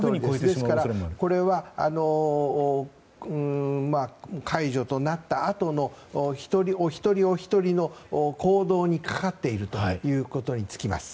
これは解除となったあとのお一人お一人の行動にかかっているということに尽きます。